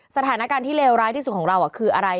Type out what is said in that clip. สถานการณ์ที่เลวร้ายที่สุดของเราคืออะไร